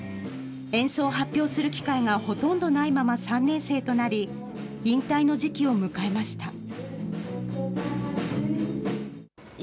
演奏を発表する機会がほとんどないまま３年生となり、引退の時期を迎えました。